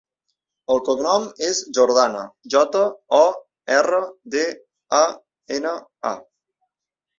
El cognom és Jordana: jota, o, erra, de, a, ena, a.